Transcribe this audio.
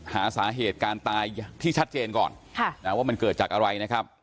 หาสาเหตุการตายที่ชัดเจนก่อนว่ามันเกิดจากอะไรนะครับ